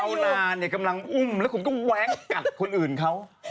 ที่เช้านานอยู่กำลังอุ่มแล้วคุณต้องวกกัดคุณอื่นเขา